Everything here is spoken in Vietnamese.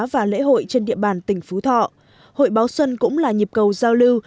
và lễ hội trên địa bàn tỉnh phú thọ hội báo xuân cũng là nhịp cầu giao lưu